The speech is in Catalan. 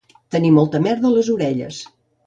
Tenir molta merda a les orelles